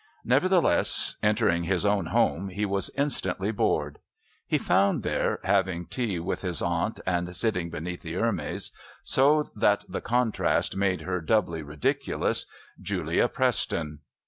Nevertheless, entering his own home he was instantly bored. He found there, having tea with his aunt and sitting beneath the Hermes, so that the contrast made her doubly ridiculous, Julia Preston.